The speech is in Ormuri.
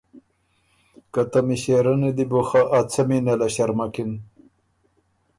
که ته مِݭېرنی دی بو خه ا څمی نېله ݭرمکِن۔